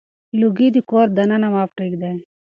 لوګي د کور دننه مه پرېږدئ.